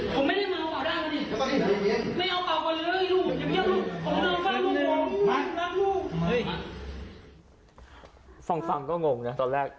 ฟังก็งงนะตอนแรก